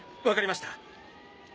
分かりました。